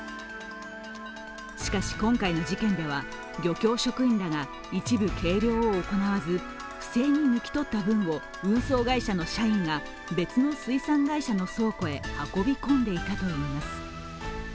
しかし、今回の事件では、漁協職員らが一部計量を行わず不正に抜き取った分を運送会社の社員が別の水産会社の倉庫へ運び込んでいたといいます。